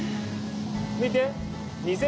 見て。